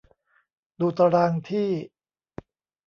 ดูตารางที่